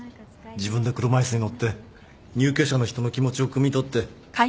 自分で車椅子に乗って入居者の人の気持ちをくみとって。